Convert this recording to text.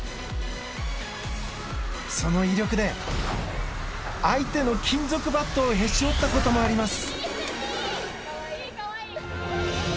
その威力で相手の金属バットをへし折った事もあります。